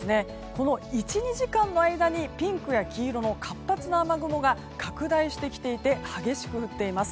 この１２時間の間にピンクや黄色の活発な雨雲が拡大してきていて激しく降っています。